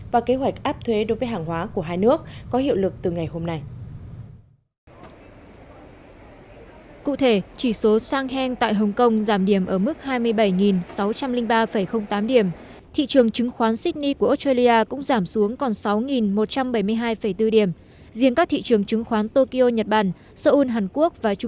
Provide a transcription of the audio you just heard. và kế hoạch áp thuế đối với hàng hóa của hai nước